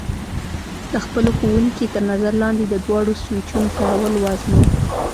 د خپلو ښوونکي تر نظر لاندې د دواړو سویچونو کارول وازموئ.